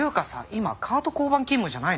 今華跡交番勤務じゃないの？